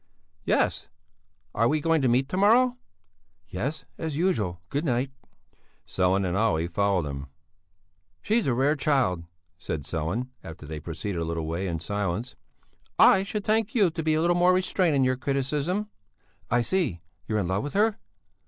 "Yes; are we going to meet to morrow?" "Yes, as usual. Good night." Sellén and Olle followed him. "She's a rare child," said Sellén, after they had proceeded a little way in silence. "I should thank you to be a little more restrained in your criticism." "I see. You're in love with her!"